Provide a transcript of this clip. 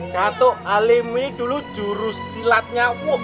dato' halim dulu jurus silatnya